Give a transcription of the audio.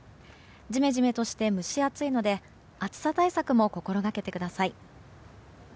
ジメジメとして蒸し暑いので暑さ対策も心がけてください。